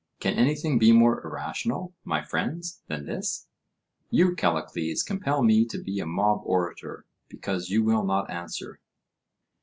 Can anything be more irrational, my friends, than this? You, Callicles, compel me to be a mob orator, because you will not answer.